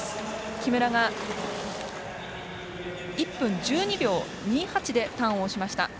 木村が１分１２秒２８でターンをしました。